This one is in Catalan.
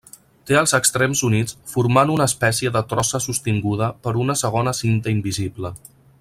Té els extrems units formant una espècie de trossa sostinguda per una segona cinta invisible.